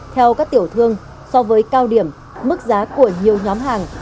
theo các tiểu thương so với cao điểm mức giá của nhiều nhóm hàng